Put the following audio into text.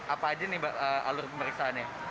apa aja nih mbak alur pemeriksaannya